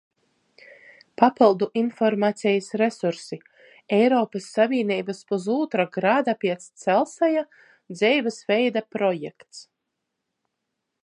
Papyldu informacejis resursi. Eiropys Savīneibys pusūtra grada piec Celseja dzeivis veida projekts.